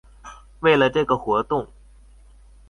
為了這個活動